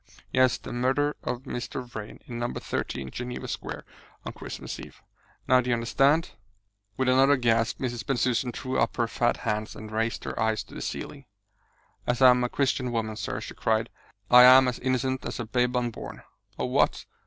"Yes, the murder of Mr. Vrain in No. 13 Geneva Square on Christmas Eve. Now do you understand?" With another gasp Mrs. Bensusan threw up her fat hands and raised her eyes to the ceiling. "As I am a Christian woman, sir," she cried, "I am as innocent as a babe unborn!" "Of what?"